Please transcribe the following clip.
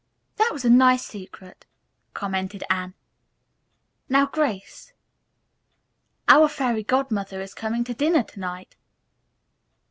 "That was a nice secret," commented Anne. "Now, Grace." "Our fairy godmother is coming to dinner to night."